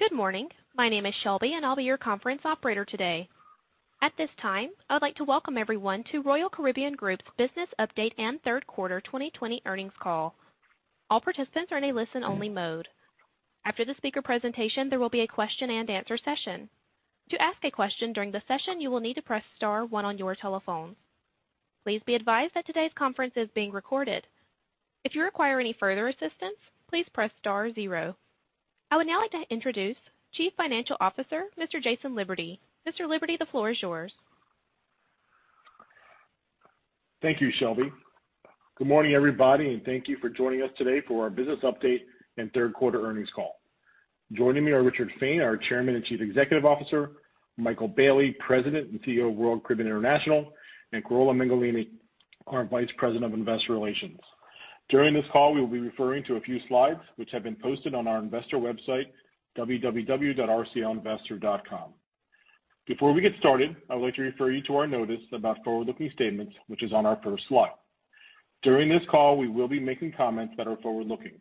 Good morning. My name is Shelby, and I'll be your conference operator today. At this time, I would like to welcome everyone to Royal Caribbean Group's Business Update and Third Quarter 2020 Earnings Call. All participants are in a listen-only mode. After the speaker presentation, there will be a question and answer session. To ask a question during the session, you will need to press star one on your telephone. Please be advised that today's conference is being recorded. If you require any further assistance, please press star zero. I would now like to introduce Chief Financial Officer, Mr. Jason Liberty. Mr. Liberty, the floor is yours. Thank you, Shelby. Good morning, everybody, and thank you for joining us today for our business update and third quarter earnings call. Joining me are Richard Fain, our Chairman and Chief Executive Officer, Michael Bayley, President and CEO of Royal Caribbean International, and Carola Mengolini, our Vice President of Investor Relations. During this call, we will be referring to a few slides which have been posted on our investor website, www.rclinvestor.com. Before we get started, I would like to refer you to our notice about forward-looking statements, which is on our first slide. During this call, we will be making comments that are forward-looking.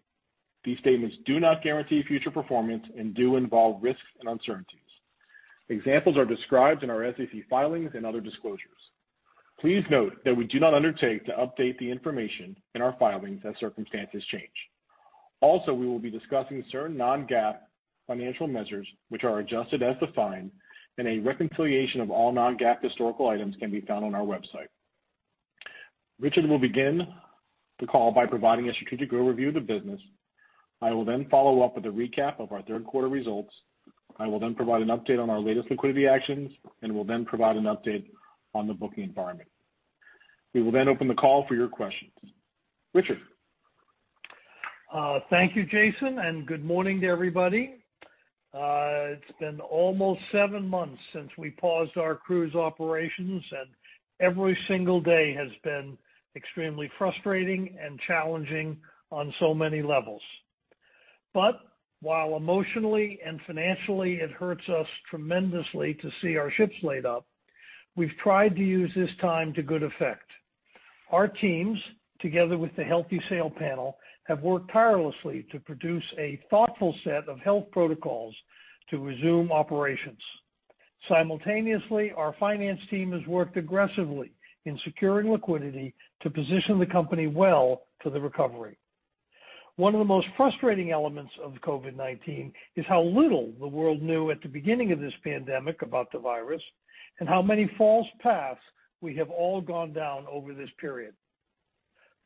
These statements do not guarantee future performance and do involve risks and uncertainties. Examples are described in our SEC filings and other disclosures. Please note that we do not undertake to update the information in our filings as circumstances change. Also, we will be discussing certain non-GAAP financial measures which are adjusted as defined, and a reconciliation of all non-GAAP historical items can be found on our website. Richard will begin the call by providing a strategic overview of the business. I will follow up with a recap of our third quarter results. I will provide an update on our latest liquidity actions and will then provide an update on the booking environment. We will open the call for your questions. Richard? Thank you, Jason. Good morning to everybody. It's been almost seven months since we paused our cruise operations. Every single day has been extremely frustrating and challenging on so many levels. While emotionally and financially it hurts us tremendously to see our ships laid up, we've tried to use this time to good effect. Our teams, together with the Healthy Sail Panel, have worked tirelessly to produce a thoughtful set of health protocols to resume operations. Simultaneously, our finance team has worked aggressively in securing liquidity to position the company well for the recovery. One of the most frustrating elements of COVID-19 is how little the world knew at the beginning of this pandemic about the virus and how many false paths we have all gone down over this period.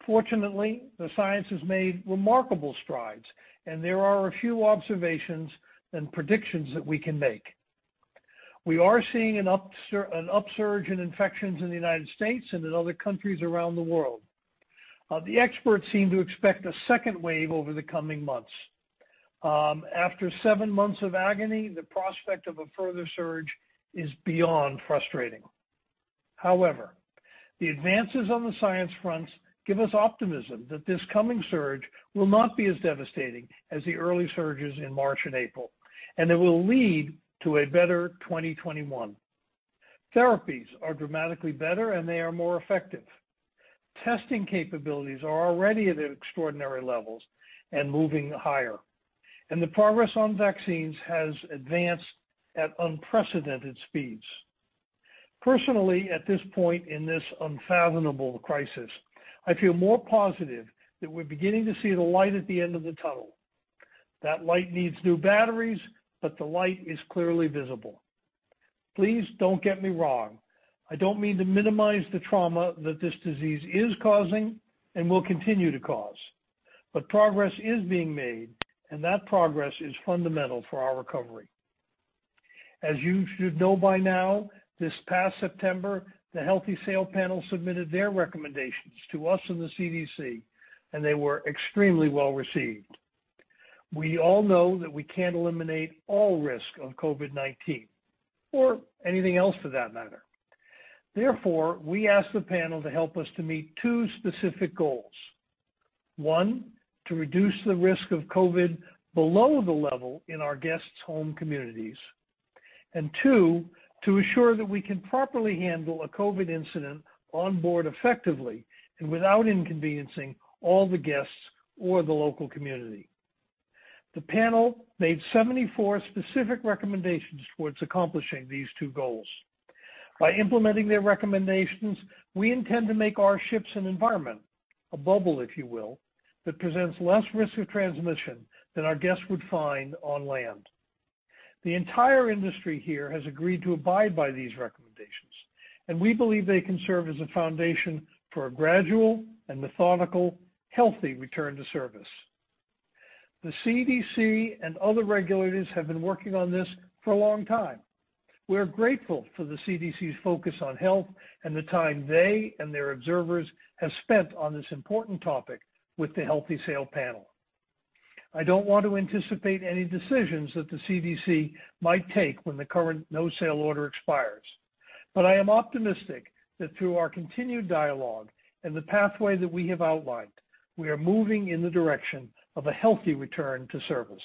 Fortunately, the science has made remarkable strides, and there are a few observations and predictions that we can make. We are seeing an upsurge in infections in the United States and in other countries around the world. The experts seem to expect a second wave over the coming months. After seven months of agony, the prospect of a further surge is beyond frustrating. However, the advances on the science fronts give us optimism that this coming surge will not be as devastating as the early surges in March and April, and it will lead to a better 2021. Therapies are dramatically better, and they are more effective. Testing capabilities are already at extraordinary levels and moving higher, and the progress on vaccines has advanced at unprecedented speeds. Personally, at this point in this unfathomable crisis, I feel more positive that we're beginning to see the light at the end of the tunnel. That light needs new batteries. The light is clearly visible. Please don't get me wrong. I don't mean to minimize the trauma that this disease is causing and will continue to cause. Progress is being made, and that progress is fundamental for our recovery. As you should know by now, this past September, the Healthy Sail Panel submitted their recommendations to us and the CDC. They were extremely well-received. We all know that we can't eliminate all risk of COVID-19 or anything else for that matter. Therefore, we asked the panel to help us to meet two specific goals. One, to reduce the risk of COVID below the level in our guests' home communities. To assure that we can properly handle a COVID incident on board effectively and without inconveniencing all the guests or the local community. The panel made 74 specific recommendations towards accomplishing these two goals. By implementing their recommendations, we intend to make our ships an environment, a bubble if you will, that presents less risk of transmission than our guests would find on land. The entire industry here has agreed to abide by these recommendations. We believe they can serve as a foundation for a gradual and methodical, healthy return to service. The CDC and other regulators have been working on this for a long time. We're grateful for the CDC's focus on health and the time they and their observers have spent on this important topic with the Healthy Sail Panel. I don't want to anticipate any decisions that the CDC might take when the current No Sail Order expires, but I am optimistic that through our continued dialogue and the pathway that we have outlined, we are moving in the direction of a healthy return to service.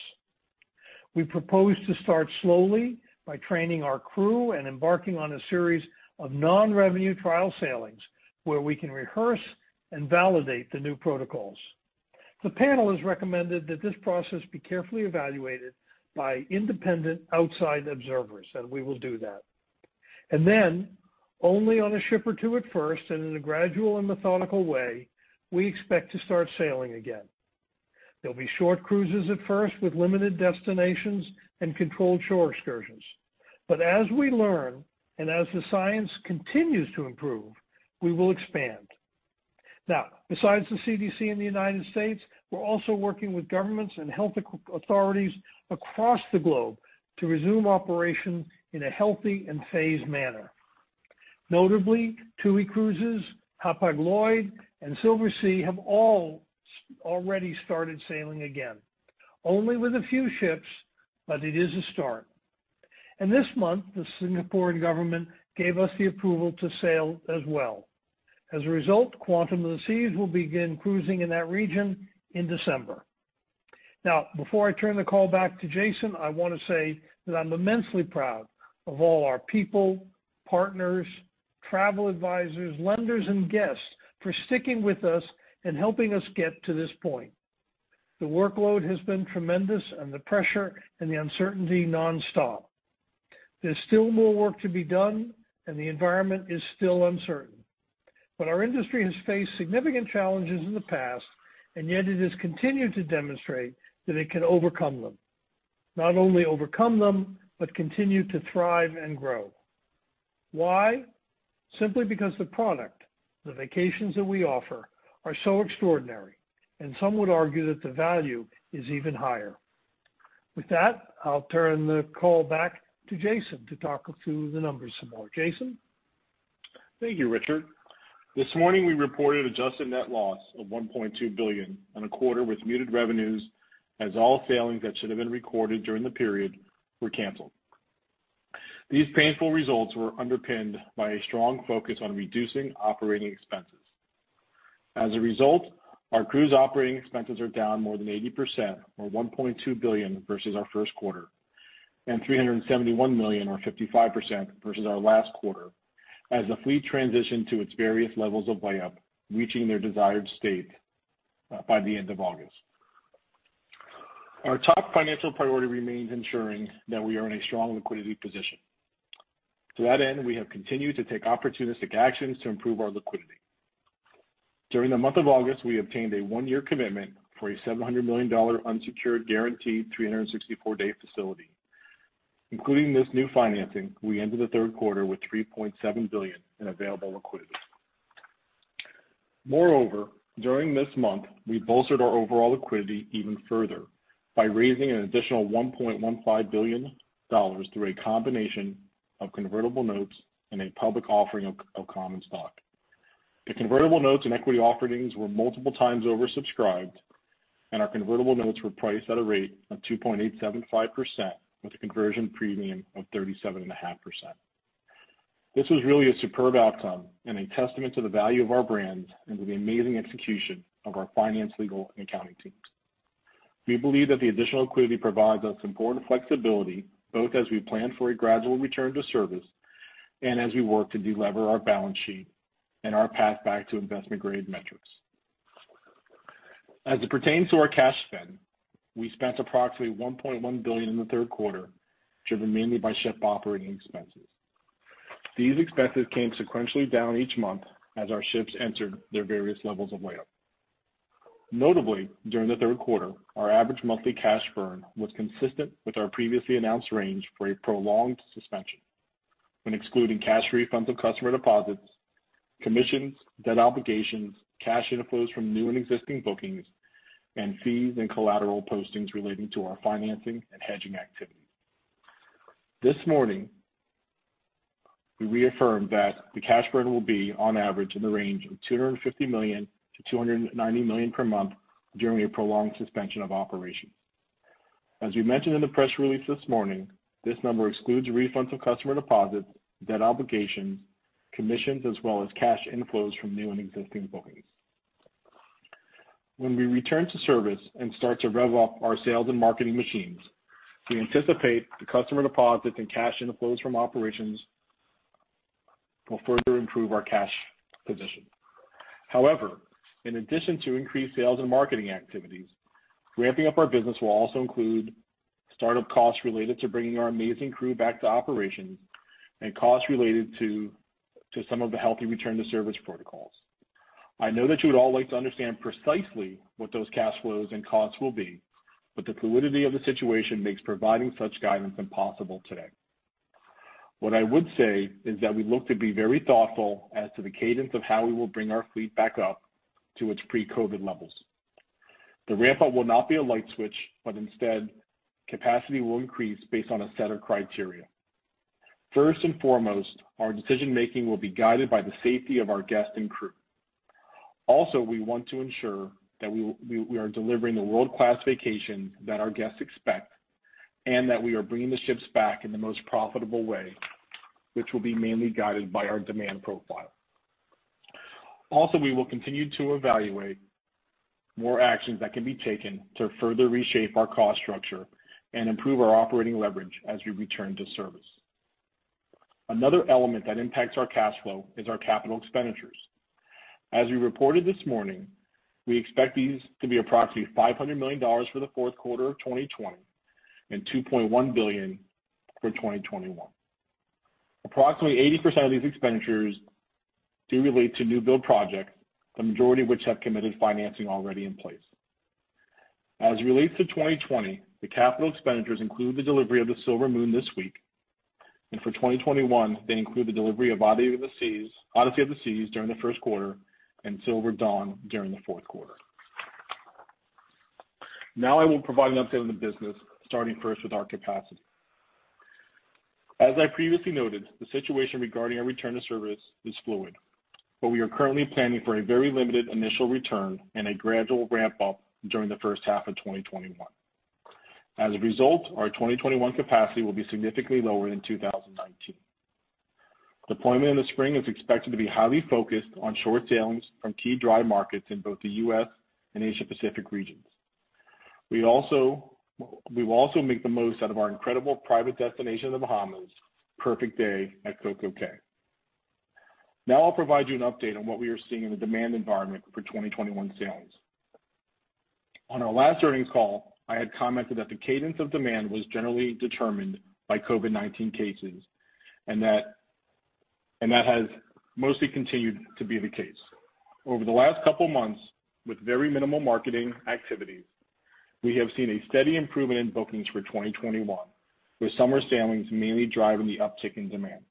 We propose to start slowly by training our crew and embarking on a series of non-revenue trial sailings where we can rehearse and validate the new protocols. The panel has recommended that this process be carefully evaluated by independent outside observers, and we will do that. Then only on a ship or two at first, and in a gradual and methodical way, we expect to start sailing again. There'll be short cruises at first with limited destinations and controlled shore excursions. As we learn, and as the science continues to improve, we will expand. Besides the CDC in the U.S., we're also working with governments and health authorities across the globe to resume operation in a healthy and phased manner. Notably, TUI Cruises, Hapag-Lloyd, and Silversea have all already started sailing again. Only with a few ships, but it is a start. This month, the Singaporean government gave us the approval to sail as well. As a result, Quantum of the Seas will begin cruising in that region in December. Before I turn the call back to Jason, I want to say that I'm immensely proud of all our people, partners, travel advisors, lenders, and guests for sticking with us and helping us get to this point. The workload has been tremendous, and the pressure and the uncertainty nonstop. There's still more work to be done, and the environment is still uncertain. Our industry has faced significant challenges in the past, and yet it has continued to demonstrate that it can overcome them. Not only overcome them, but continue to thrive and grow. Why? Simply because the product, the vacations that we offer, are so extraordinary, and some would argue that the value is even higher. With that, I'll turn the call back to Jason to talk through the numbers some more. Jason? Thank you, Richard. This morning we reported adjusted net loss of $1.2 billion on a quarter with muted revenues as all sailings that should've been recorded during the period were canceled. These painful results were underpinned by a strong focus on reducing operating expenses. As a result, our cruise operating expenses are down more than 80%, or $1.2 billion versus our first quarter, and $371 million or 55% versus our last quarter as the fleet transitioned to its various levels of lay up, reaching their desired state by the end of August. Our top financial priority remains ensuring that we are in a strong liquidity position. To that end, we have continued to take opportunistic actions to improve our liquidity. During the month of August, we obtained a one-year commitment for a $700 million unsecured guaranteed 364-day facility. Including this new financing, we ended the third quarter with $3.7 billion in available liquidity. Moreover, during this month, we bolstered our overall liquidity even further by raising an additional $1.15 billion through a combination of convertible notes and a public offering of common stock. The convertible notes and equity offerings were multiple times oversubscribed, and our convertible notes were priced at a rate of 2.875% with a conversion premium of 37.5%. This was really a superb outcome and a testament to the value of our brands and to the amazing execution of our finance, legal, and accounting teams. We believe that the additional liquidity provides us important flexibility, both as we plan for a gradual return to service, and as we work to de-lever our balance sheet and our path back to investment-grade metrics. As it pertains to our cash spend, we spent approximately $1.1 billion in the third quarter, driven mainly by ship operating expenses. These expenses came sequentially down each month as our ships entered their various levels of lay up. Notably, during the third quarter, our average monthly cash burn was consistent with our previously announced range for a prolonged suspension, when excluding cash refunds of customer deposits, commissions, debt obligations, cash inflows from new and existing bookings, and fees and collateral postings relating to our financing and hedging activity. This morning, we reaffirmed that the cash burn will be on average in the range of $250 million-$290 million per month during a prolonged suspension of operations. As we mentioned in the press release this morning, this number excludes refunds of customer deposits, debt obligations, commissions, as well as cash inflows from new and existing bookings. When we return to service and start to rev up our sales and marketing machines, we anticipate the customer deposits and cash inflows from operations will further improve our cash position. However, in addition to increased sales and marketing activities, ramping up our business will also include startup costs related to bringing our amazing crew back to operations and costs related to some of the healthy return to service protocols. I know that you would all like to understand precisely what those cash flows and costs will be, but the fluidity of the situation makes providing such guidance impossible today. What I would say is that we look to be very thoughtful as to the cadence of how we will bring our fleet back up to its pre-COVID levels. The ramp-up will not be a light switch, but instead, capacity will increase based on a set of criteria. First and foremost, our decision-making will be guided by the safety of our guests and crew. Also, we want to ensure that we are delivering the world-class vacation that our guests expect, and that we are bringing the ships back in the most profitable way, which will be mainly guided by our demand profile. Also, we will continue to evaluate more actions that can be taken to further reshape our cost structure and improve our operating leverage as we return to service. Another element that impacts our cash flow is our capital expenditures. As we reported this morning, we expect these to be approximately $500 million for the fourth quarter of 2020 and $2.1 billion for 2021. Approximately 80% of these expenditures do relate to new build projects, the majority of which have committed financing already in place. As it relates to 2020, the capital expenditures include the delivery of the Silver Moon this week, and for 2021, they include the delivery of Odyssey of the Seas during the first quarter and Silver Dawn during the fourth quarter. I will provide an update on the business, starting first with our capacity. As I previously noted, the situation regarding our return to service is fluid, but we are currently planning for a very limited initial return and a gradual ramp-up during the first half of 2021. As a result, our 2021 capacity will be significantly lower than 2019. Deployment in the spring is expected to be highly focused on short sailings from key drive markets in both the U.S. and Asia Pacific regions. We will also make the most out of our incredible private destination in the Bahamas, Perfect Day at CocoCay. Now I'll provide you an update on what we are seeing in the demand environment for 2021 sailings. On our last earnings call, I had commented that the cadence of demand was generally determined by COVID-19 cases, and that has mostly continued to be the case. Over the last couple of months, with very minimal marketing activities, we have seen a steady improvement in bookings for 2021, with summer sailings mainly driving the uptick in demand.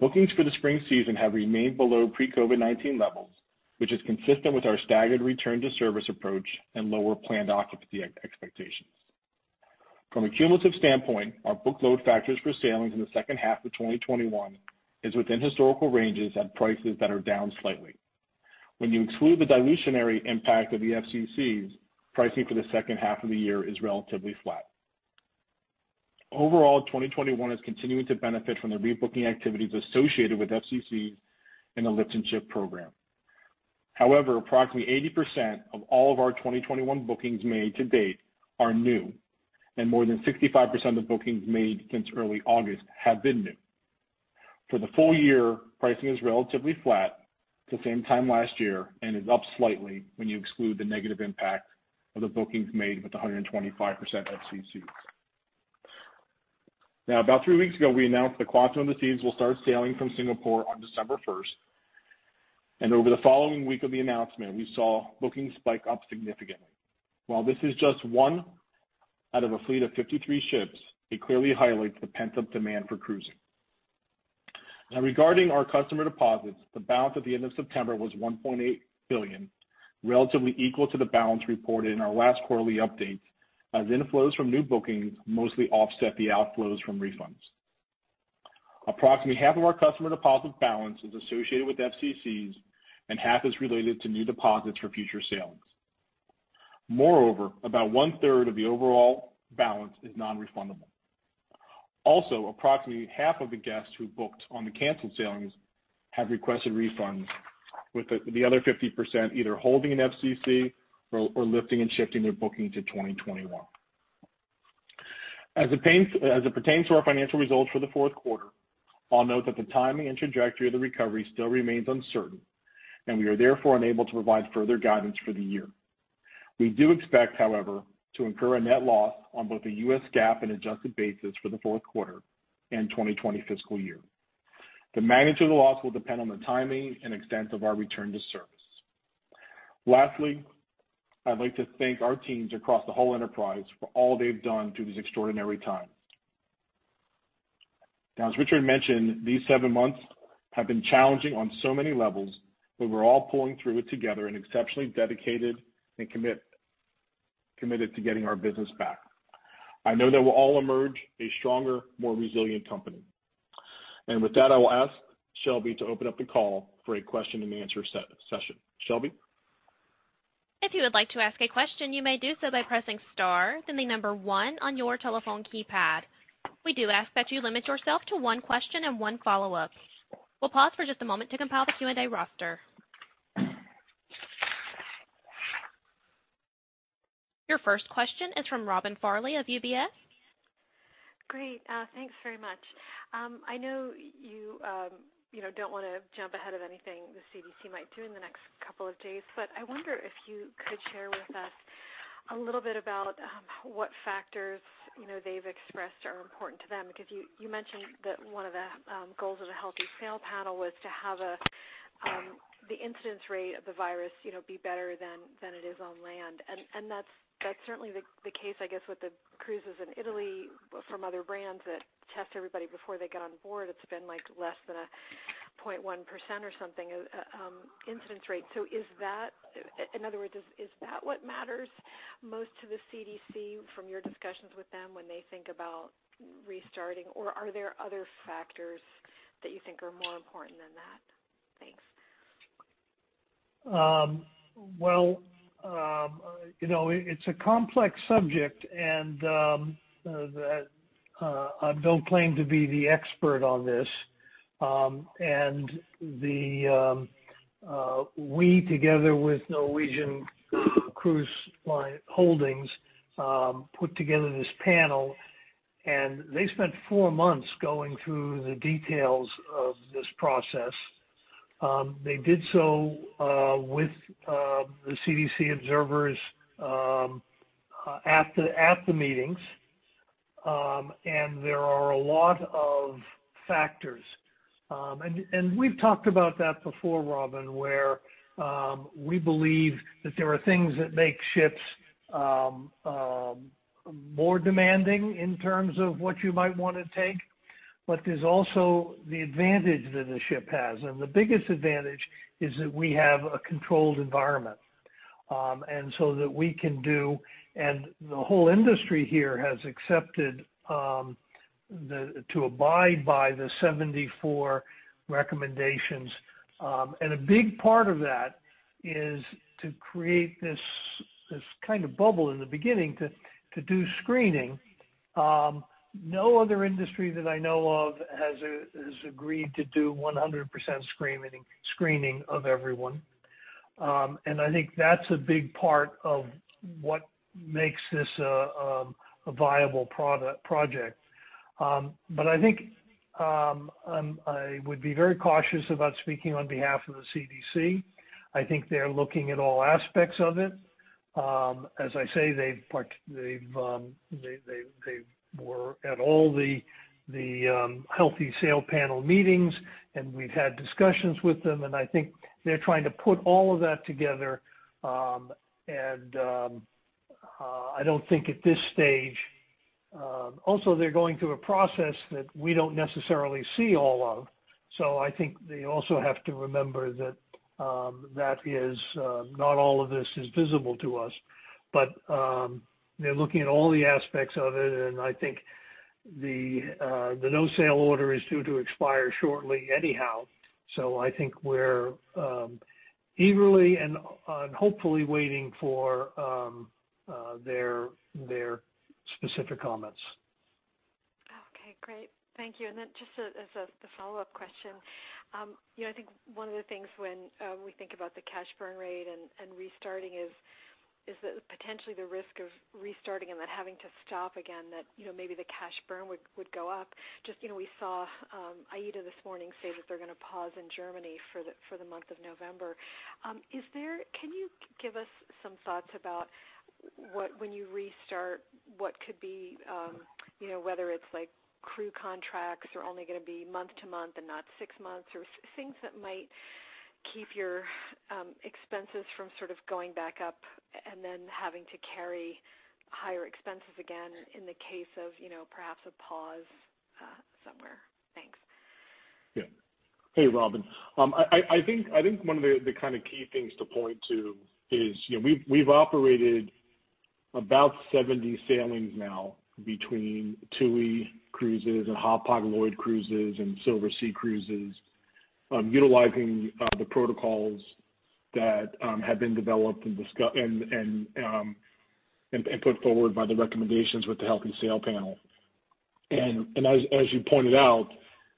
Bookings for the spring season have remained below pre-COVID-19 levels, which is consistent with our staggered return to service approach and lower planned occupancy expectations. From a cumulative standpoint, our book load factors for sailings in the second half of 2021 is within historical ranges at prices that are down slightly. When you exclude the dilutionary impact of the FCCs, pricing for the second half of the year is relatively flat. Overall, 2021 is continuing to benefit from the rebooking activities associated with FCCs and the Lift and Shift program. Approximately 80% of all of our 2021 bookings made to date are new, and more than 65% of the bookings made since early August have been new. For the full year, pricing is relatively flat to same time last year and is up slightly when you exclude the negative impact of the bookings made with the 125% FCCs. About three weeks ago, we announced the Quantum of the Seas will start sailing from Singapore on December first, and over the following week of the announcement, we saw bookings spike up significantly. While this is just one out of a fleet of 53 ships, it clearly highlights the pent-up demand for cruising. Regarding our customer deposits, the balance at the end of September was $1.8 billion, relatively equal to the balance reported in our last quarterly update, as inflows from new bookings mostly offset the outflows from refunds. Approximately half of our customer deposit balance is associated with FCCs and half is related to new deposits for future sailings. About one-third of the overall balance is non-refundable. Approximately half of the guests who booked on the canceled sailings have requested refunds, with the other 50% either holding an FCC or Lift and Shift their booking to 2021. As it pertains to our financial results for the fourth quarter, I'll note that the timing and trajectory of the recovery still remains uncertain, and we are therefore unable to provide further guidance for the year. We do expect, however, to incur a net loss on both a US GAAP and adjusted basis for the fourth quarter and 2020 fiscal year. The magnitude of the loss will depend on the timing and extent of our return to service. Lastly, I'd like to thank our teams across the whole enterprise for all they've done through this extraordinary time. As Richard mentioned, these seven months have been challenging on so many levels, but we're all pulling through it together and exceptionally dedicated and committed to getting our business back. I know that we'll all emerge a stronger, more resilient company. With that, I will ask Shelby to open up the call for a question-and-answer session. Shelby? Your first question is from Robin Farley of UBS. Great. Thanks very much. I know you don't want to jump ahead of anything the CDC might do in the next couple of days, I wonder if you could share with us a little bit about what factors they've expressed are important to them. Because you mentioned that one of the goals of the Healthy Sail Panel was to have the incidence rate of the virus be better than it is on land, and that's certainly the case, I guess, with the cruises in Italy from other brands that test everybody before they get on board. It's been less than a 0.1% or something incidence rate. In other words, is that what matters most to the CDC from your discussions with them when they think about restarting? Or are there other factors that you think are more important than that? Thanks. It's a complex subject, and I don't claim to be the expert on this. We together with Norwegian Cruise Line Holdings put together this panel. They spent four months going through the details of this process. They did so with the CDC observers at the meetings. There are a lot of factors. We've talked about that before, Robin, where we believe that there are things that make ships more demanding in terms of what you might want to take. There's also the advantage that a ship has. The biggest advantage is that we have a controlled environment. The whole industry here has accepted to abide by the 74 recommendations. A big part of that is to create this kind of bubble in the beginning to do screening. No other industry that I know of has agreed to do 100% screening of everyone. I think that's a big part of what makes this a viable project. I think I would be very cautious about speaking on behalf of the CDC. I think they're looking at all aspects of it. As I say, they were at all the Healthy Sail Panel meetings, and we've had discussions with them, and I think they're trying to put all of that together. They're also going through a process that we don't necessarily see all of, so I think they also have to remember that not all of this is visible to us. They're looking at all the aspects of it, and I think the No Sail Order is due to expire shortly anyhow. I think we're eagerly and hopefully waiting for their specific comments. Okay, great. Thank you. Just as a follow-up question, I think one of the things when we think about the cash burn rate and restarting is that potentially the risk of restarting and then having to stop again, that maybe the cash burn would go up. Just we saw AIDA Cruises this morning say that they're going to pause in Germany for the month of November. Can you give us some thoughts about when you restart, whether it's crew contracts are only going to be month to month and not six months, or things that might keep your expenses from sort of going back up and then having to carry higher expenses again in the case of perhaps a pause somewhere? Thanks. Yeah. Hey, Robin. I think one of the kind of key things to point to is we've operated about 70 sailings now between TUI Cruises and Hapag-Lloyd Cruises and Silversea Cruises, utilizing the protocols that have been developed and put forward by the recommendations with the Healthy Sail Panel. As you pointed out,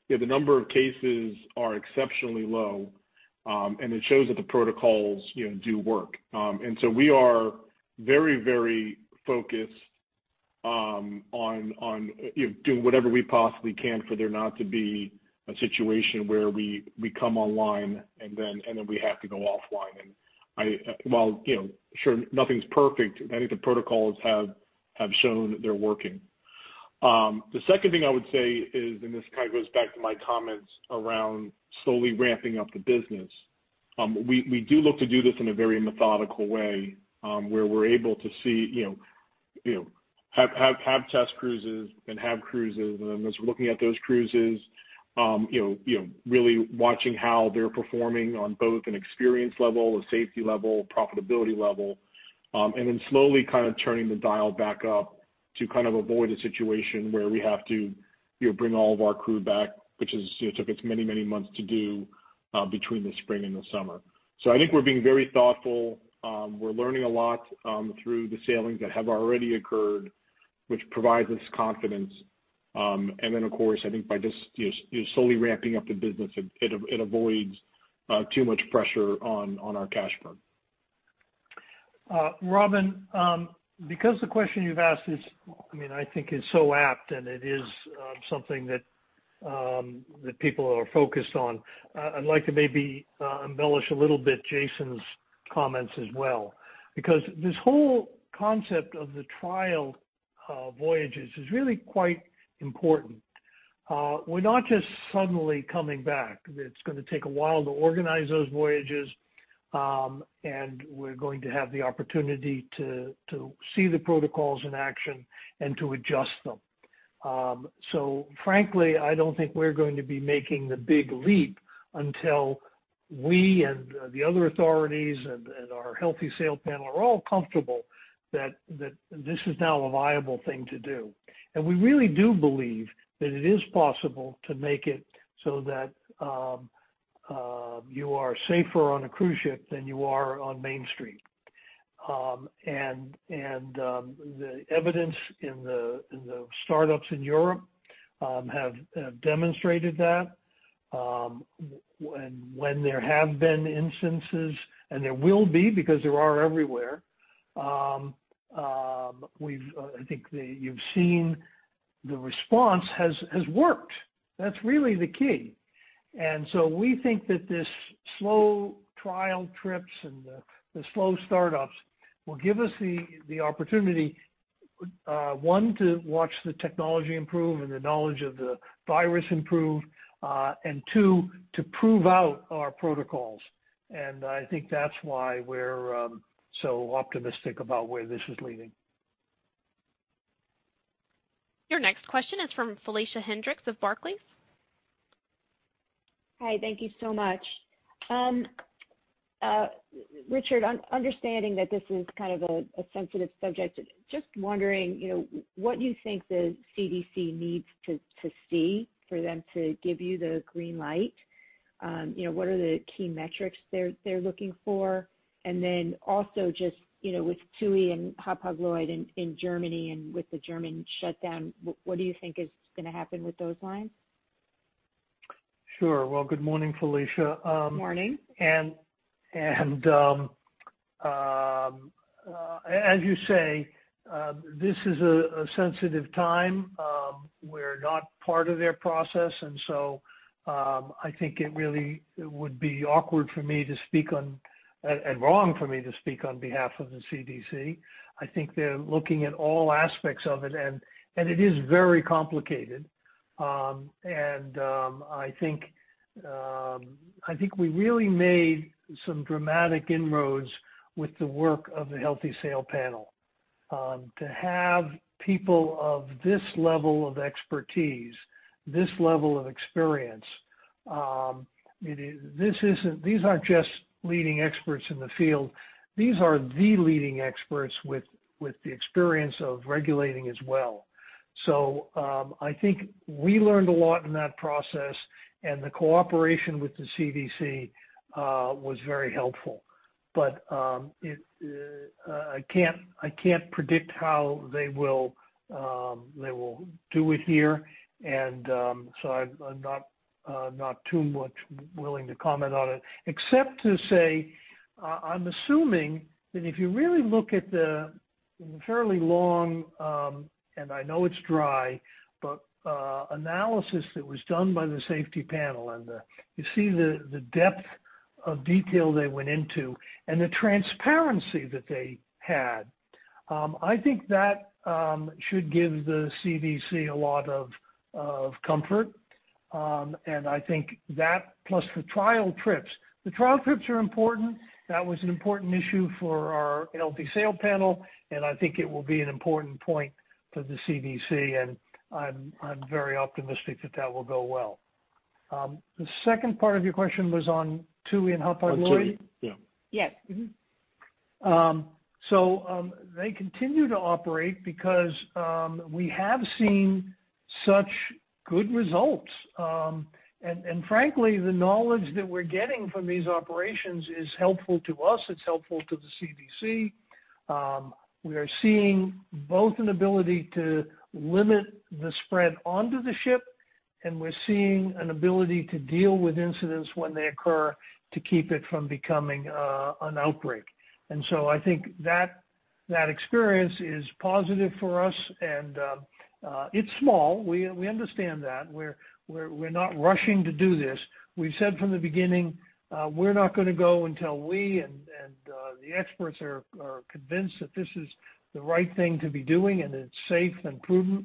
the number of cases are exceptionally low, and it shows that the protocols do work. We are very focused on doing whatever we possibly can for there not to be a situation where we come online, and then we have to go offline. While sure, nothing's perfect, I think the protocols have shown that they're working. The second thing I would say is, and this kind of goes back to my comments around slowly ramping up the business. We do look to do this in a very methodical way, where we're able to have test cruises and have cruises. As we're looking at those cruises, really watching how they're performing on both an experience level, a safety level, profitability level, and then slowly kind of turning the dial back up to kind of avoid a situation where we have to bring all of our crew back, which took us many months to do between the spring and the summer. I think we're being very thoughtful. We're learning a lot through the sailings that have already occurred, which provides us confidence. Of course, I think by just slowly ramping up the business, it avoids too much pressure on our cash burn. Robin, because the question you've asked I think is so apt, and it is something that people are focused on, I'd like to maybe embellish a little bit Jason's comments as well, because this whole concept of the trial voyages is really quite important. We're not just suddenly coming back. It's going to take a while to organize those voyages, and we're going to have the opportunity to see the protocols in action and to adjust them. Frankly, I don't think we're going to be making the big leap until we and the other authorities and our Healthy Sail Panel are all comfortable that this is now a viable thing to do. We really do believe that it is possible to make it so that you are safer on a cruise ship than you are on Main Street. The evidence in the startups in Europe have demonstrated that. When there have been instances, and there will be because there are everywhere, I think you've seen the response has worked. That's really the key. We think that these slow trial trips and the slow startups will give us the opportunity, one, to watch the technology improve and the knowledge of the virus improve, and two, to prove out our protocols. I think that's why we're so optimistic about where this is leading. Your next question is from Felicia Hendrix of Barclays. Hi. Thank you so much. Richard, understanding that this is kind of a sensitive subject, just wondering what you think the CDC needs to see for them to give you the green light? What are the key metrics they're looking for? Then also just, with TUI and Hapag-Lloyd in Germany and with the German shutdown, what do you think is going to happen with those lines? Sure. Well, good morning, Felicia. Morning. As you say, this is a sensitive time. We're not part of their process, I think it really would be awkward for me to speak on, and wrong for me to speak on behalf of the CDC. I think they're looking at all aspects of it, and it is very complicated. I think we really made some dramatic inroads with the work of the Healthy Sail Panel. To have people of this level of expertise, this level of experience. These aren't just leading experts in the field, these are the leading experts with the experience of regulating as well. I think we learned a lot in that process, and the cooperation with the CDC was very helpful. I can't predict how they will do it here. I'm not too much willing to comment on it, except to say, I'm assuming that if you really look at the fairly long, and I know it's dry, but analysis that was done by the Healthy Sail Panel and you see the depth of detail they went into and the transparency that they had. I think that should give the CDC a lot of comfort. I think that plus the trial trips. The trial trips are important. That was an important issue for our Healthy Sail Panel, and I think it will be an important point for the CDC, I'm very optimistic that that will go well. The second part of your question was on TUI and Hapag-Lloyd? Yes. They continue to operate because we have seen such good results. Frankly, the knowledge that we're getting from these operations is helpful to us, it's helpful to the CDC. We are seeing both an ability to limit the spread onto the ship, and we're seeing an ability to deal with incidents when they occur to keep it from becoming an outbreak. I think that experience is positive for us and it's small, we understand that. We're not rushing to do this. We've said from the beginning, we're not going to go until we and the experts are convinced that this is the right thing to be doing and it's safe and prudent,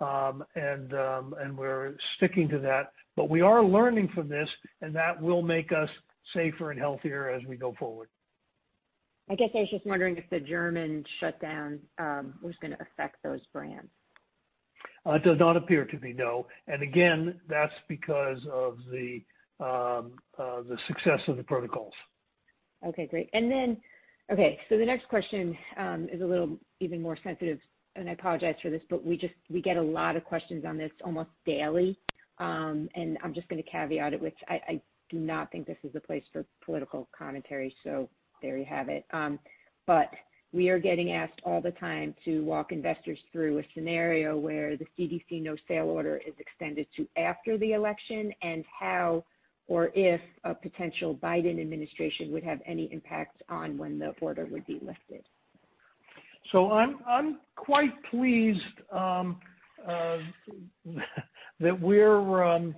and we're sticking to that. We are learning from this, and that will make us safer and healthier as we go forward. I guess I was just wondering if the German shutdown was going to affect those brands? It does not appear to be, no. Again, that's because of the success of the protocols. Okay, great. Then, okay, the next question is a little even more sensitive, and I apologize for this, but we get a lot of questions on this almost daily. I'm just going to caveat it with, I do not think this is a place for political commentary, there you have it. We are getting asked all the time to walk investors through a scenario where the CDC No Sail Order is extended to after the election, and how or if a potential Biden administration would have any impact on when the order would be lifted. I'm quite pleased that we're working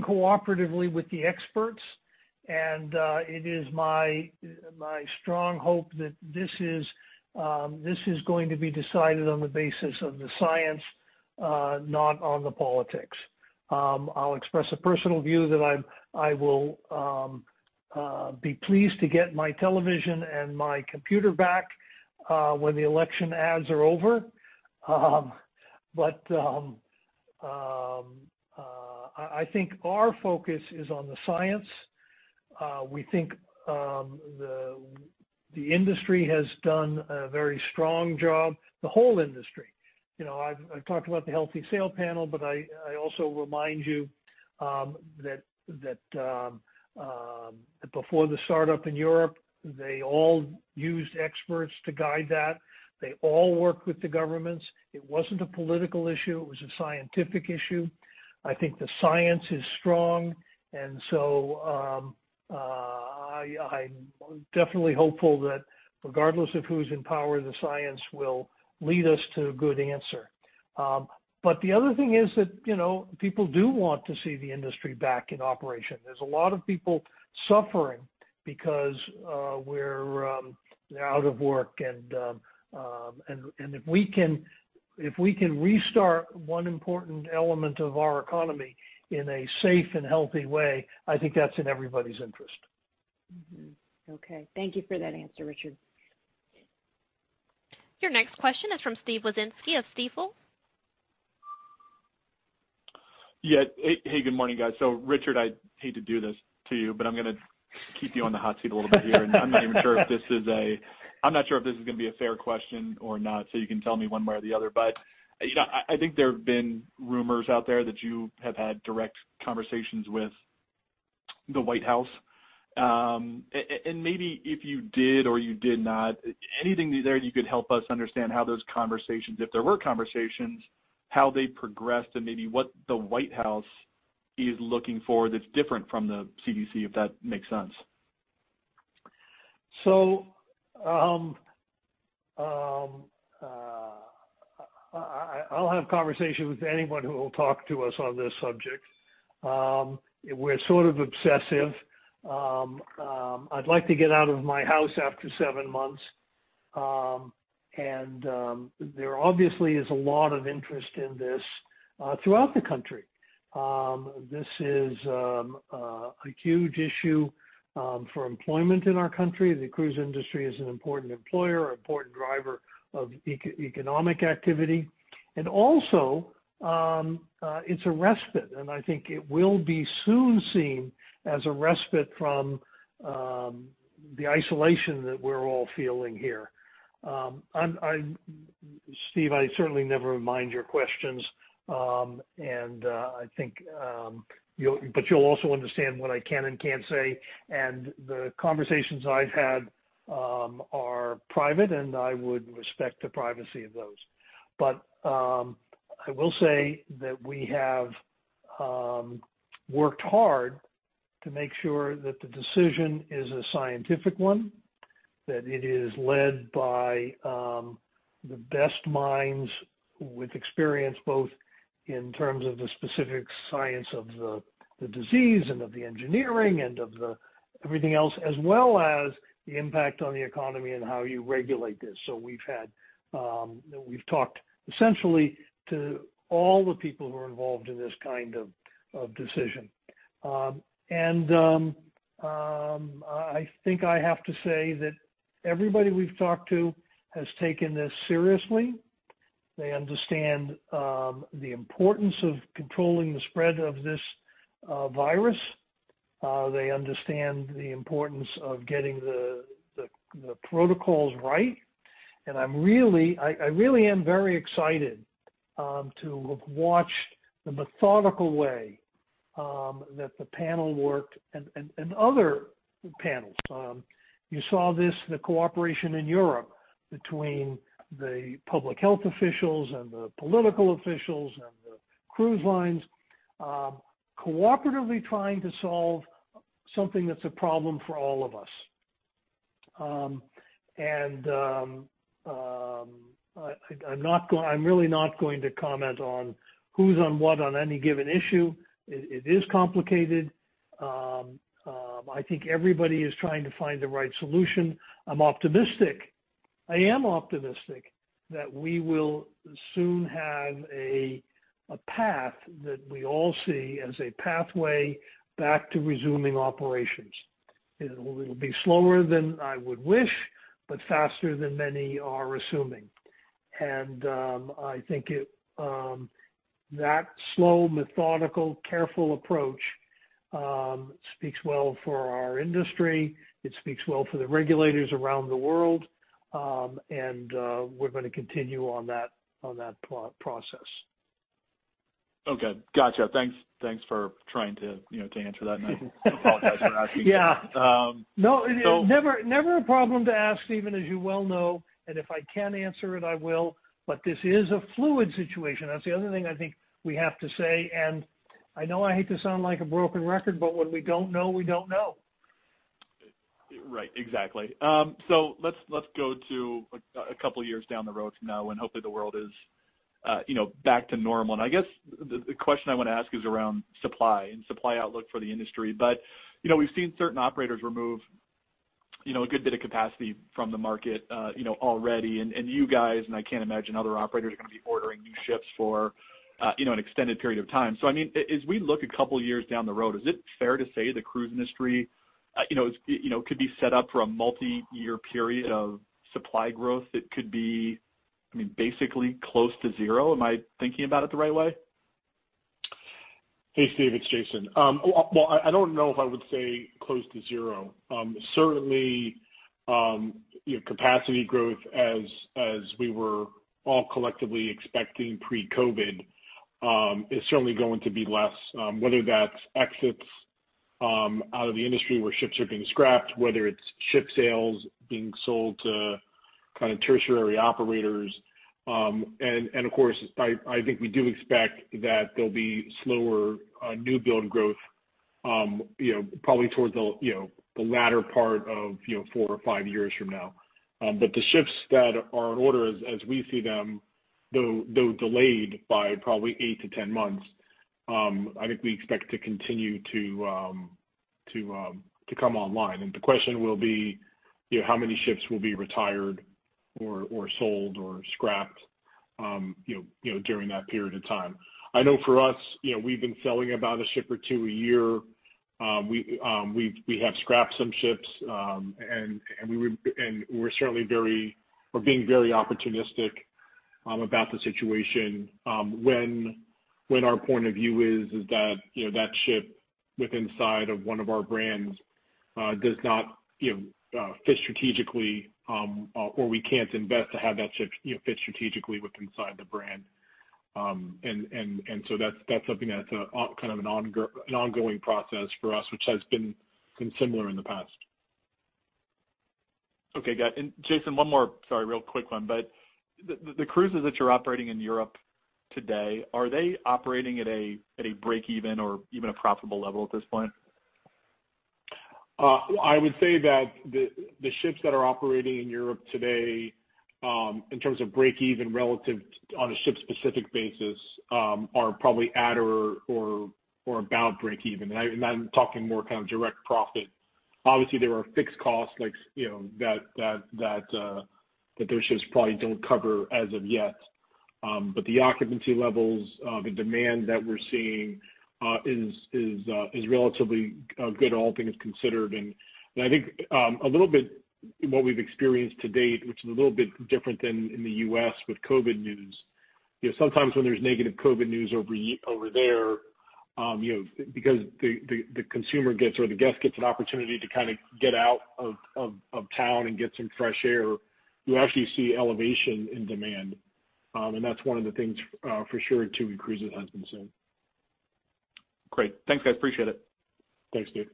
cooperatively with the experts. It is my strong hope that this is going to be decided on the basis of the science, not on the politics. I'll express a personal view that I will be pleased to get my television and my computer back when the election ads are over. I think our focus is on the science. We think the industry has done a very strong job, the whole industry. I've talked about the Healthy Sail Panel. I also remind you that before the startup in Europe, they all used experts to guide that. They all worked with the governments. It wasn't a political issue, it was a scientific issue. I think the science is strong. I'm definitely hopeful that regardless of who's in power, the science will lead us to a good answer. The other thing is that, people do want to see the industry back in operation. There's a lot of people suffering because they're out of work and if we can restart one important element of our economy in a safe and healthy way, I think that's in everybody's interest. Okay. Thank you for that answer, Richard. Your next question is from Steven Wieczynski of Stifel. Yeah. Hey, good morning, guys. Richard, I hate to do this to you, but I'm going to keep you on the hot seat a little bit here. I'm not even sure if this is going to be a fair question or not, so you can tell me one way or the other. I think there have been rumors out there that you have had direct conversations with the White House. Maybe if you did or you did not, anything there you could help us understand how those conversations, if there were conversations, how they progressed and maybe what the White House is looking for that's different from the CDC, if that makes sense. I'll have conversation with anyone who will talk to us on this subject. We're sort of obsessive. I'd like to get out of my house after seven months. There obviously is a lot of interest in this throughout the country. This is a huge issue for employment in our country. The cruise industry is an important employer, an important driver of economic activity. Also, it's a respite, and I think it will be soon seen as a respite from the isolation that we're all feeling here. Steve, I certainly never mind your questions. You'll also understand what I can and can't say, and the conversations I've had are private, and I would respect the privacy of those. I will say that we have worked hard to make sure that the decision is a scientific one, that it is led by the best minds with experience, both in terms of the specific science of the disease and of the engineering and of everything else, as well as the impact on the economy and how you regulate this. We've talked essentially to all the people who are involved in this kind of decision. I think I have to say that everybody we've talked to has taken this seriously. They understand the importance of controlling the spread of this virus. They understand the importance of getting the protocols right. I really am very excited to watch the methodical way that the panel worked and other panels. You saw this in the cooperation in Europe between the public health officials and the political officials and the cruise lines cooperatively trying to solve something that's a problem for all of us. I'm really not going to comment on who's on what on any given issue. It is complicated. I think everybody is trying to find the right solution. I'm optimistic. I am optimistic that we will soon have a path that we all see as a pathway back to resuming operations. It'll be slower than I would wish, but faster than many are assuming. I think that slow, methodical, careful approach speaks well for our industry. It speaks well for the regulators around the world. We're going to continue on that process. Okay. Got you. Thanks for trying to answer that. I apologize for asking. Yeah. So- Never a problem to ask, even as you well know, and if I can answer it, I will, but this is a fluid situation. That's the other thing I think we have to say, and I know I hate to sound like a broken record, but what we don't know, we don't know. Right. Exactly. Let's go to a couple of years down the road from now when hopefully the world is back to normal. I guess the question I want to ask is around supply and supply outlook for the industry. We've seen certain operators remove a good bit of capacity from the market already. You guys, and I can't imagine other operators are going to be ordering new ships for an extended period of time. I mean, as we look a couple of years down the road, is it fair to say the cruise industry could be set up for a multi-year period of supply growth that could be basically close to zero? Am I thinking about it the right way? Hey, Steve, it's Jason. Well, I don't know if I would say close to zero. Certainly, capacity growth as we were all collectively expecting pre-COVID, is certainly going to be less, whether that's exits out of the industry where ships are being scrapped, whether it's ship sales being sold to tertiary operators. Of course, I think we do expect that there'll be slower new build growth, probably towards the latter part of four or five years from now. The ships that are on order as we see them, though delayed by probably eight to 10 months, I think we expect to continue to come online. The question will be, how many ships will be retired or sold or scrapped during that period of time? I know for us, we've been selling about a ship or two a year. We have scrapped some ships. We're being very opportunistic about the situation, when our point of view is that ship inside of one of our brands does not fit strategically or we can't invest to have that ship fit strategically inside the brand. That's something that's an ongoing process for us, which has been similar in the past. Okay, got it. Jason, one more, sorry, real quick one. The cruises that you're operating in Europe today, are they operating at a break-even or even a profitable level at this point? I would say that the ships that are operating in Europe today, in terms of break-even relative on a ship-specific basis, are probably at or about break-even. I'm talking more kind of direct profit. Obviously, there are fixed costs that those ships probably don't cover as of yet. The occupancy levels, the demand that we're seeing is relatively good, all things considered. I think what we've experienced to date, which is a little bit different than in the U.S. with COVID news. Sometimes when there's negative COVID news over there, because the consumer gets or the guest gets an opportunity to kind of get out of town and get some fresh air, you actually see elevation in demand. That's one of the things for sure too in cruises has been seen. Great. Thanks, guys. Appreciate it. Thanks, dude.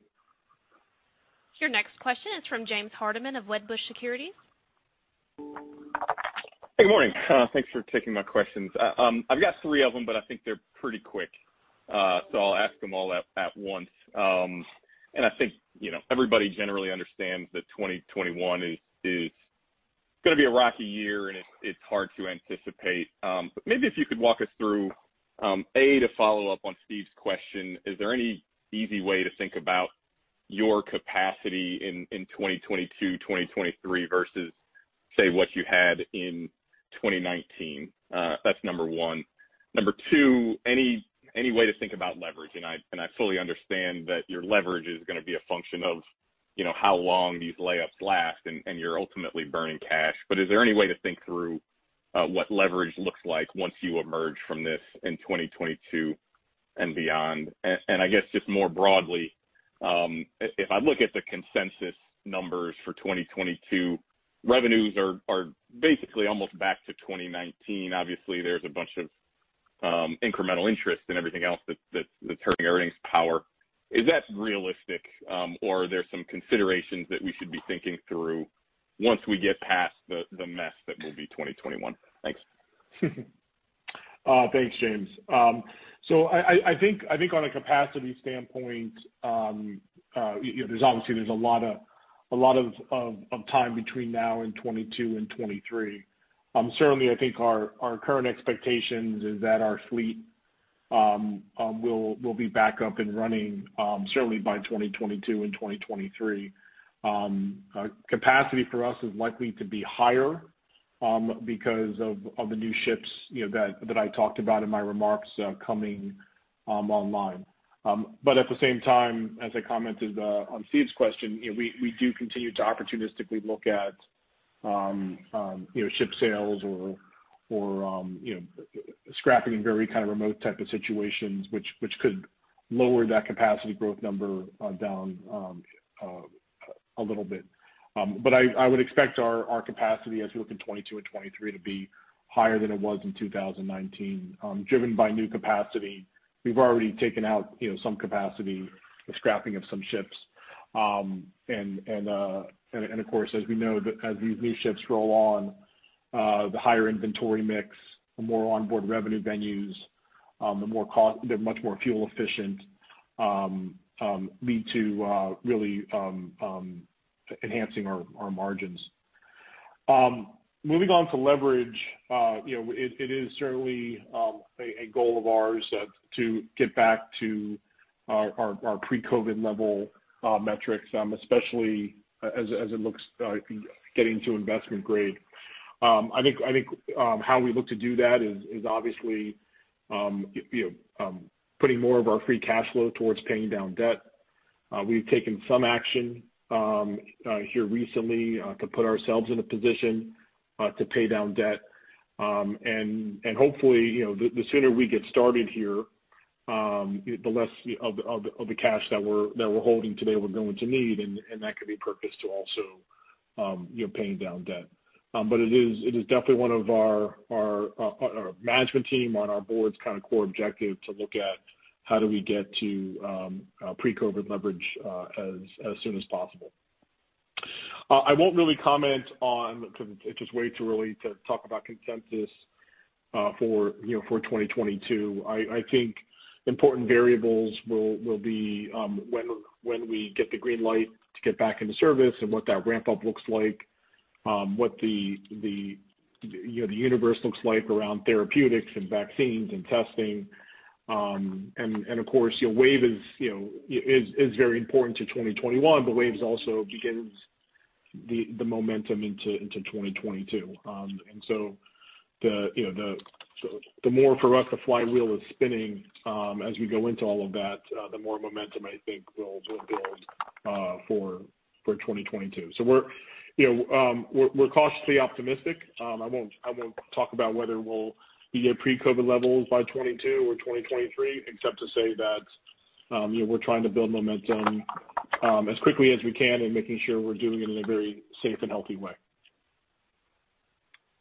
Your next question is from James Hardiman of Wedbush Securities. Hey, good morning. Thanks for taking my questions. I've got three of them, but I think they're pretty quick, so I'll ask them all at once. I think everybody generally understands that 2021 is going to be a rocky year and it's hard to anticipate. Maybe if you could walk us through, A, to follow up on Steven's question, is there any easy way to think about your capacity in 2022, 2023 versus, say, what you had in 2019? That's number one. Number two, any way to think about leverage? I fully understand that your leverage is going to be a function of how long these layups last and you're ultimately burning cash. Is there any way to think through what leverage looks like once you emerge from this in 2022 and beyond? I guess just more broadly, if I look at the consensus numbers for 2022, revenues are basically almost back to 2019. Obviously, there's a bunch of incremental interest and everything else that's hurting earnings power. Is that realistic? Or are there some considerations that we should be thinking through once we get past the mess that will be 2021? Thanks. Thanks, James. I think on a capacity standpoint, obviously there's a lot of time between now and 2022 and 2023. Certainly, I think our current expectations is that our fleet will be back up and running certainly by 2022 and 2023. Capacity for us is likely to be higher because of the new ships that I talked about in my remarks coming online. At the same time, as I commented on Steven's question, we do continue to opportunistically look at ship sales or scrapping in very kind of remote type of situations, which could lower that capacity growth number down a little bit. I would expect our capacity as we look in 2022 and 2023 to be higher than it was in 2019, driven by new capacity. We've already taken out some capacity, the scrapping of some ships. Of course, as we know, as these new ships roll on, the higher inventory mix, the more onboard revenue venues, they're much more fuel efficient, lead to really enhancing our margins. Moving on to leverage. It is certainly a goal of ours to get back to our pre-COVID level metrics, especially as it looks getting to investment grade. I think how we look to do that is obviously putting more of our free cash flow towards paying down debt. We've taken some action here recently to put ourselves in a position to pay down debt. Hopefully, the sooner we get started here, the less of the cash that we're holding today we're going to need, and that could be purposed to also paying down debt. It is definitely one of our management team on our board's kind of core objective to look at how do we get to pre-COVID leverage as soon as possible. I won't really comment on, because it's just way too early to talk about consensus for 2022. I think important variables will be when we get the green light to get back into service and what that ramp-up looks like, what the universe looks like around therapeutics and vaccines and testing. Of course, Wave is very important to 2021, but Waves also begins the momentum into 2022. The more for us the flywheel is spinning as we go into all of that, the more momentum I think we'll build for 2022. We're cautiously optimistic. I won't talk about whether we'll be at pre-COVID levels by 2022 or 2023, except to say that we're trying to build momentum as quickly as we can and making sure we're doing it in a very safe and healthy way.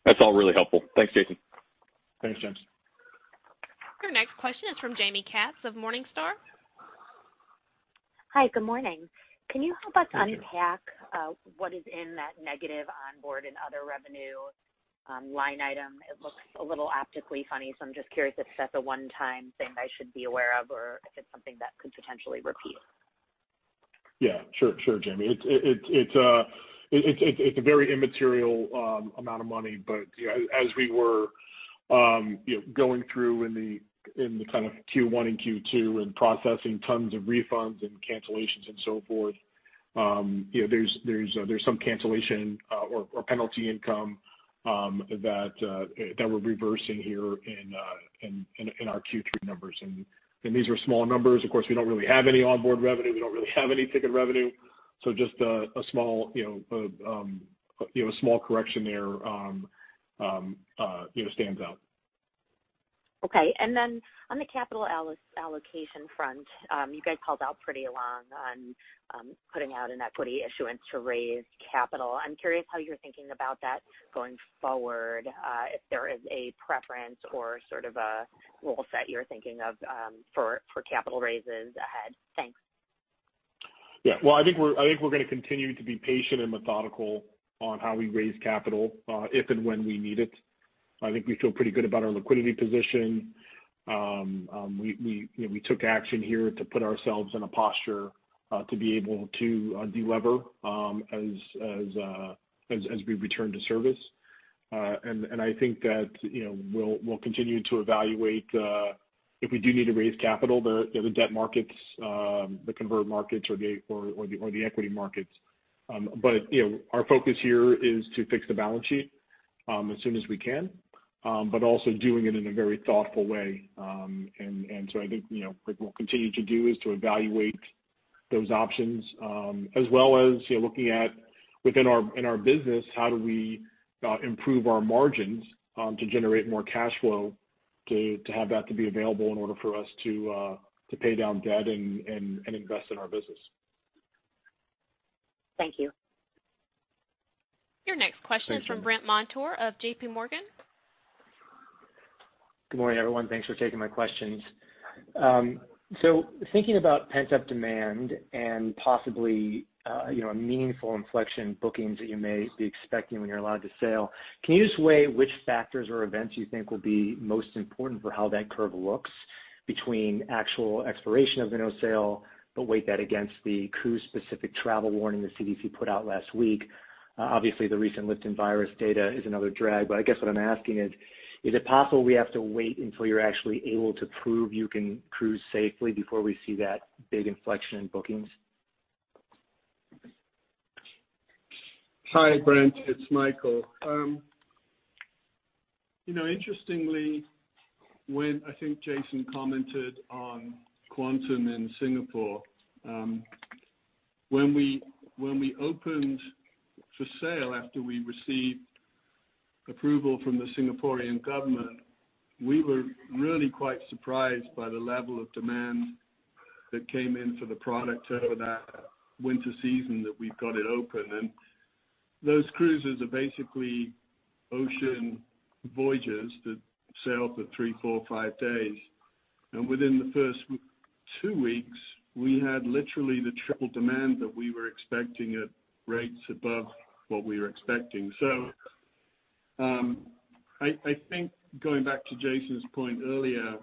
That's all really helpful. Thanks, Jason. Thanks, James. Your next question is from Jaime Katz of Morningstar. Hi, good morning. Thank you. Can you help us unpack what is in that negative onboard and other revenue line item? It looks a little optically funny, so I'm just curious if that's a one-time thing I should be aware of, or if it's something that could potentially repeat. Sure, Jaime. It's a very immaterial amount of money. As we were going through in the kind of Q1 and Q2 and processing tons of refunds and cancellations and so forth, there's some cancellation or penalty income that we're reversing here in our Q3 numbers. These are small numbers. Of course, we don't really have any onboard revenue. We don't really have any ticket revenue. Just a small correction there stands out. Okay. On the capital allocation front, you guys called out pretty long on putting out an equity issuance to raise capital. I'm curious how you're thinking about that going forward. If there is a preference or sort of a rule set you're thinking of for capital raises ahead. Thanks. Well, I think we're going to continue to be patient and methodical on how we raise capital, if and when we need it. I think we feel pretty good about our liquidity position. We took action here to put ourselves in a posture to be able to de-lever as we return to service. I think that we'll continue to evaluate if we do need to raise capital there, the debt markets, the convert markets, or the equity markets. Our focus here is to fix the balance sheet as soon as we can, but also doing it in a very thoughtful way. I think what we'll continue to do is to evaluate those options, as well as looking at within our business, how do we improve our margins to generate more cash flow to have that to be available in order for us to pay down debt and invest in our business. Thank you. Your next question. Thank you. is from Brandt Montour of JPMorgan. Good morning, everyone. Thanks for taking my questions. Thinking about pent-up demand and possibly a meaningful inflection in bookings that you may be expecting when you're allowed to sail, can you just weigh which factors or events you think will be most important for how that curve looks between actual expiration of the No Sail Order, but weight that against the cruise-specific travel warning the CDC put out last week? Obviously, the recent lift virus data is another drag. I guess what I'm asking is it possible we have to wait until you're actually able to prove you can cruise safely before we see that big inflection in bookings? Hi, Brandt, it's Michael. Interestingly, when I think Jason commented on Quantum in Singapore, when we opened for sail after we received approval from the Singaporean government, we were really quite surprised by the level of demand that came in for the product over that winter season that we've got it open. Those cruises are basically ocean voyages that sail for three, four, five days. Within the first two weeks, we had literally the triple demand that we were expecting at rates above what we were expecting. I think going back to Jason's point earlier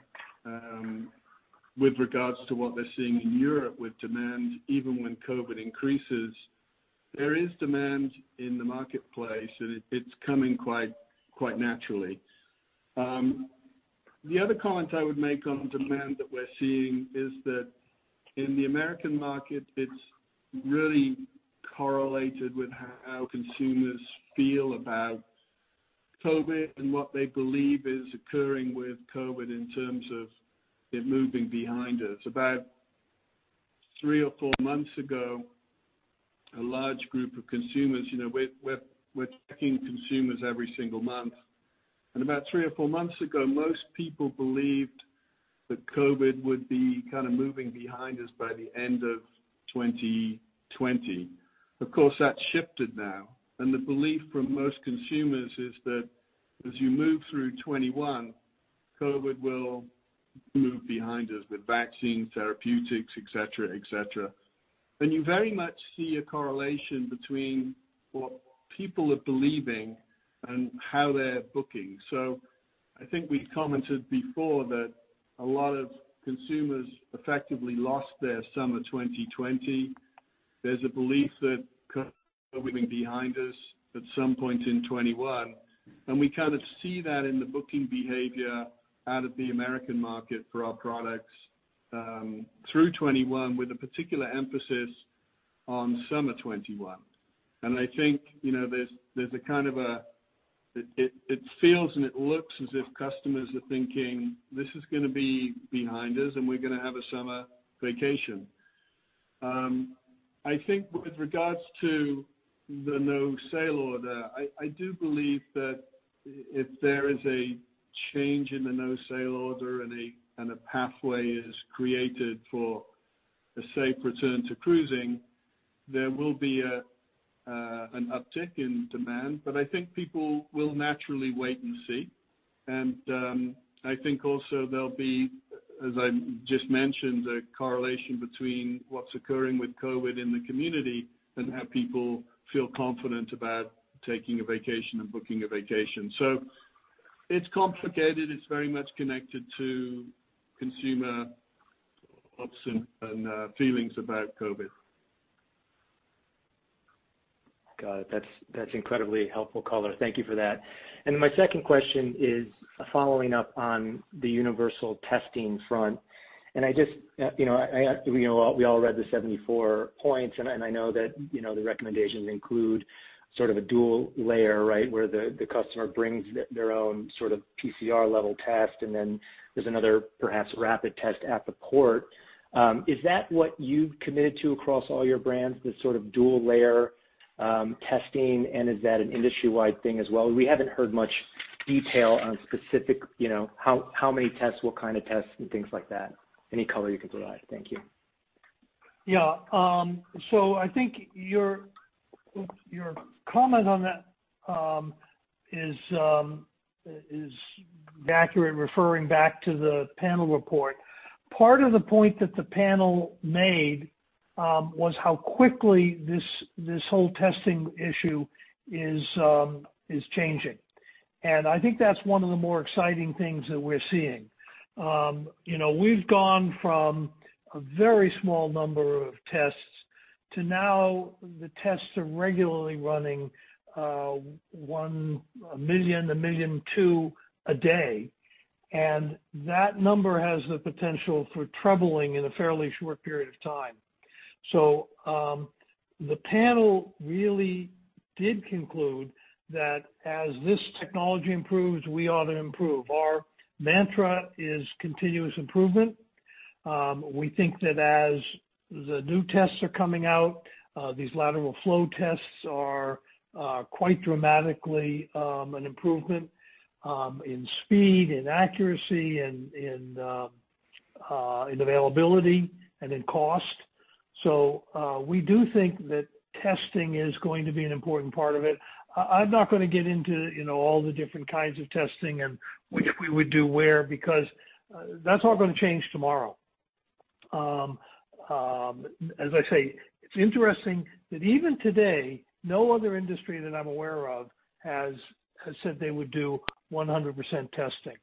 with regards to what they're seeing in Europe with demand, even when COVID increases, there is demand in the marketplace, and it's coming quite naturally. The other comment I would make on demand that we're seeing is that in the American market, it's really correlated with how consumers feel about COVID and what they believe is occurring with COVID in terms of it moving behind us. About three or four months ago, a large group of consumers, we're checking consumers every single month. About three or four months ago, most people believed that COVID would be kind of moving behind us by the end of 2020. Of course, that's shifted now, and the belief from most consumers is that as you move through 2021, COVID will move behind us with vaccine, therapeutics, et cetera. You very much see a correlation between what people are believing and how they're booking. I think we commented before that a lot of consumers effectively lost their summer 2020. There's a belief that COVID will be behind us at some point in 2021, and we kind of see that in the booking behavior out of the American market for our products through 2021, with a particular emphasis on summer 2021. I think it feels and it looks as if customers are thinking, this is going to be behind us and we're going to have a summer vacation. I think with regards to the No Sail Order, I do believe that if there is a change in the No Sail Order and a pathway is created for a safe return to cruising, there will be an uptick in demand. I think people will naturally wait and see. I think also there'll be, as I just mentioned, a correlation between what's occurring with COVID-19 in the community and how people feel confident about taking a vacation and booking a vacation. It's complicated. It's very much connected to consumer hopes and feelings about COVID-19. Got it. That's incredibly helpful color. Thank you for that. Then my second question is following up on the universal testing front. We all read the 74 points, and I know that the recommendations include sort of a dual layer, right? Where the customer brings their own sort of PCR level test, and then there's another perhaps rapid test at the port. Is that what you've committed to across all your brands, this sort of dual layer testing, and is that an industry-wide thing as well? We haven't heard much detail on specific, how many tests, what kind of tests, and things like that. Any color you can provide. Thank you. Yeah. I think your comment on that is accurate, referring back to the panel report. Part of the point that the panel made, was how quickly this whole testing issue is changing. I think that's one of the more exciting things that we're seeing. We've gone from a very small number of tests to now the tests are regularly running, one million, 1.2 million a day. That number has the potential for doubling in a fairly short period of time. The panel really did conclude that as this technology improves, we ought to improve. Our mantra is continuous improvement. We think that as the new tests are coming out, these lateral flow tests are quite dramatically an improvement in speed, in accuracy, in availability, and in cost. We do think that testing is going to be an important part of it. I'm not going to get into all the different kinds of testing and which we would do where, because that's all going to change tomorrow. As I say, it's interesting that even today, no other industry that I'm aware of has said they would do 100% testing.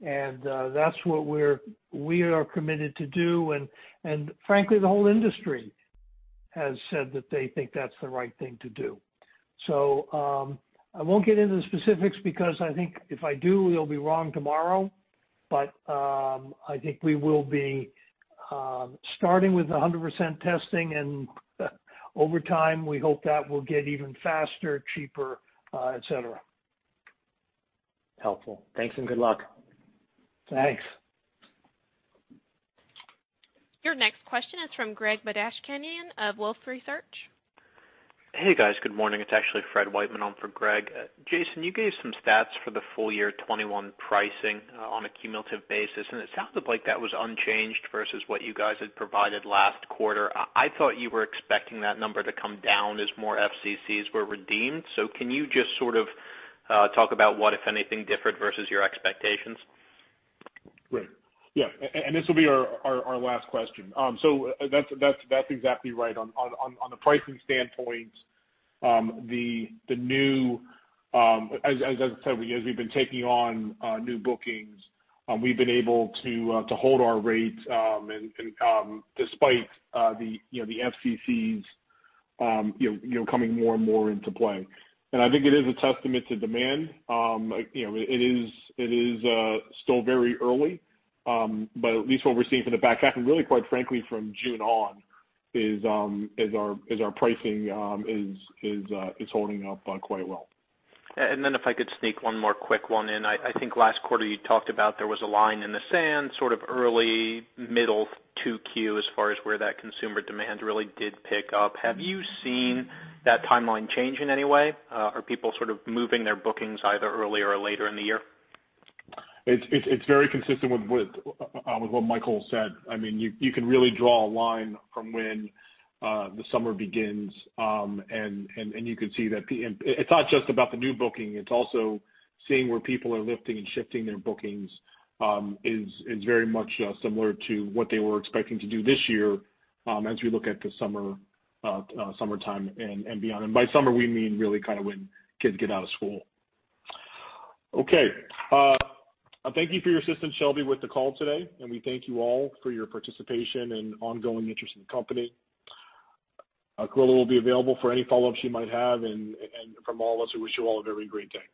That's what we are committed to do, and frankly, the whole industry has said that they think that's the right thing to do. I won't get into the specifics because I think if I do, it'll be wrong tomorrow. I think we will be starting with 100% testing, and over time, we hope that will get even faster, cheaper, et cetera. Helpful. Thanks and good luck. Thanks. Your next question is from Greg Badishkanian of Wolfe Research. Hey, guys. Good morning. It's actually Fred Wightman on for Greg Badishkanian. Jason, you gave some stats for the full year 2021 pricing on a cumulative basis, and it sounded like that was unchanged versus what you guys had provided last quarter. I thought you were expecting that number to come down as more FCCs were redeemed. Can you just sort of talk about what, if anything, differed versus your expectations? Great. Yeah. This will be our last question. That's exactly right. On the pricing standpoint, as I said, as we've been taking on new bookings, we've been able to hold our rates, and despite the FCCs coming more and more into play. I think it is a testament to demand. It is still very early, but at least what we're seeing from the back half and really, quite frankly, from June on is, our pricing is holding up quite well. If I could sneak one more quick one in. I think last quarter you talked about there was a line in the sand sort of early middle 2Q as far as where that consumer demand really did pick up. Have you seen that timeline change in any way? Are people sort of moving their bookings either earlier or later in the year? It's very consistent with what Michael said. You can really draw a line from when the summer begins. You can see that it's not just about the new booking, it's also seeing where people are Lift and Shift their bookings, is very much similar to what they were expecting to do this year, as we look at the summertime and beyond. By summer, we mean really kind of when kids get out of school. Okay. Thank you for your assistance, Shelby, with the call today. We thank you all for your participation and ongoing interest in the company. Carola will be available for any follow-ups you might have. From all of us, we wish you all a very great day.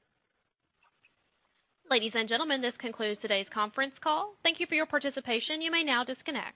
Ladies and gentlemen, this concludes today's conference call. Thank you for your participation. You may now disconnect.